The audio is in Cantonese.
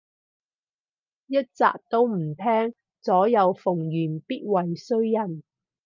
一集都唔聼，左右逢源必為衰人